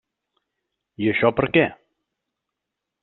I això, per què?